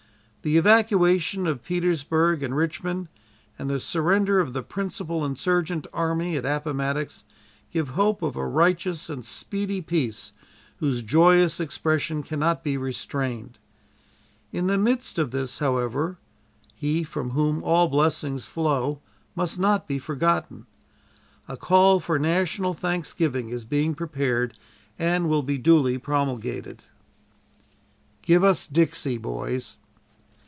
The evacuation of Petersburg and Richmond, and the surrender of the principal insurgent army (at Appomattox) give hope of a righteous and speedy peace whose joyous expression cannot be restrained. In the midst of this, however, He from whom all blessings flow must not be forgotten. A call for national thanksgiving is being prepared and will be duly promulgated." "GIVE US 'DIXIE,' BOYS!"